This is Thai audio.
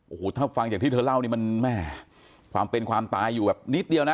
โอ้โหถ้าฟังอย่างที่เธอเล่านี่มันแม่ความเป็นความตายอยู่แบบนิดเดียวนะ